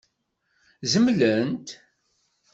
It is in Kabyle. Zemlent?